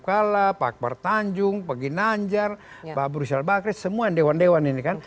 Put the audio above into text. pak isopo kalah pak bartanjung pak ginanjar pak brusil bakris semua dewa dewan ini kan